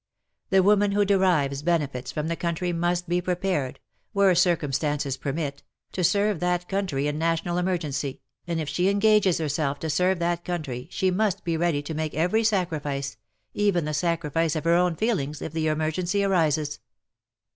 The woman who derives benefits from the country must be prepared — where circumstances WAR AND WOMEN 231 permit — to serve that country in national emer gency, and if she engages herself to serve that country she must be ready to make every sacrifice, even the sacrifice of her own feelings, if the emergency arises.